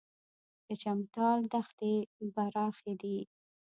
د چمتال دښتې پراخې دي